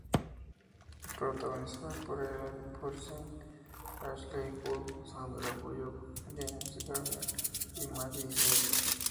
Protagonizada por Ellen Burstyn, Ashley Judd, Sandra Bullock, James Garner y Maggie Smith.